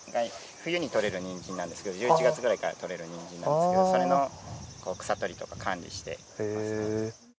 冬に採れるにんじんなんですけど１１月くらいから採れるにんじんなんですけどそれの草とりとか管理してます。